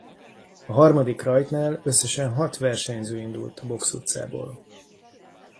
A harmadik rajtnál összesen hat versenyző indult a boxutcából.